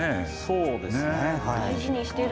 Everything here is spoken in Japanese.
そうですね。